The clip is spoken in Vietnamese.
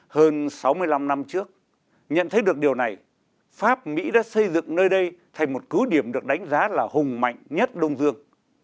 hơn sáu mươi năm năm trước nhận thấy được điều này pháp mỹ đã xây dựng nơi đây thành một cứ điểm được đánh giá là hùng mạnh nhất đông dương